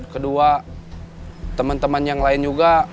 kedua teman teman yang lain juga